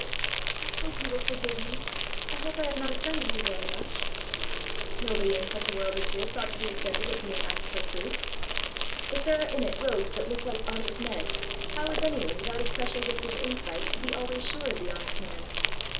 "I hope you will forgive me! I hope I have not offended you very much!" "Nobody in such a world as this ought to be offended at being asked for proof. If there are in it rogues that look like honest men, how is any one, without a special gift of insight, to be always sure of the honest man?